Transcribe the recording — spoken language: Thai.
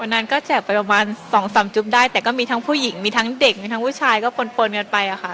นั้นก็แจกไปประมาณสองสามจุ๊บได้แต่ก็มีทั้งผู้หญิงมีทั้งเด็กมีทั้งผู้ชายก็ปนกันไปอะค่ะ